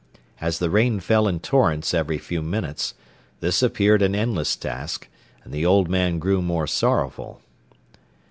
As the rain fell in torrents every few minutes, this appeared an endless task, and the old man grew more sorrowful.